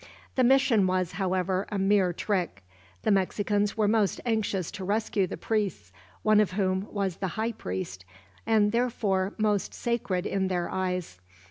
The mission was, however, a mere trick. The Mexicans were most anxious to rescue the priests, one of whom was the high priest, and therefore most sacred in their eyes.